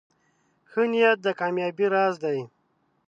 ښه نیت د کامیابۍ راز دی.